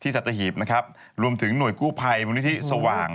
ที่สต้ะหีบนะครับรวมถึงหน่วยกู้ภัยบุญวิทธิศว่าง